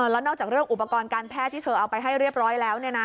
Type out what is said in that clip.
แล้วนอกจากเรื่องอุปกรณ์การแพทย์ที่เธอเอาไปให้เรียบร้อยแล้ว